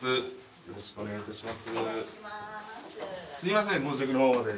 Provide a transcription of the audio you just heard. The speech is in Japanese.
よろしくお願いします